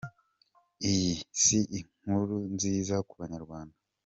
Iyi si inkuru nziza ku banyarwanda.